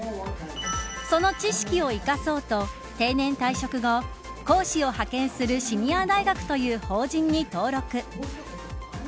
その知識を生かそうと定年退職後講師を派遣するシニア大樂という法人に登録。